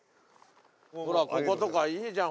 ほらこことかいいじゃんほら。